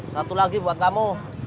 satu lagi buat kamu